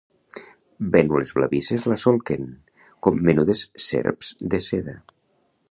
Vènules blavisses la solquen, com menudes serps de seda.